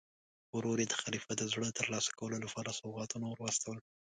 ورور یې د خلیفه د زړه ترلاسه کولو لپاره سوغاتونه ور واستول.